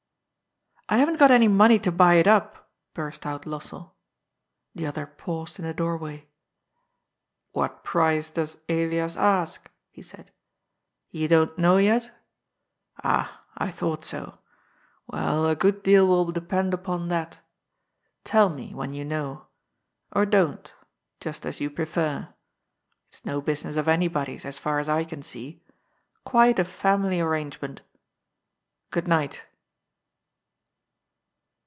"I haven't got any money to bny it np," burst out Lossell. The other paused in the doorway. "What price does Elias ask?" he said. "You don't know yet? Ah, I thought so. Well, a good deal will de pend upon that. Tell me, when you know. Or don't ; just as you prefer. It's no business of anybody's, as far as I can see. Quite a family arrangement. Good night."